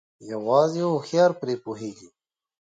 يوازې هوښيار پري پوهيږي